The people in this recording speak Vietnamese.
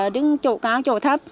đứng chỗ cao chỗ thấp